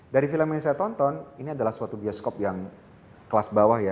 dari film yang saya tonton ini adalah suatu bioskop yang kelas bawah ya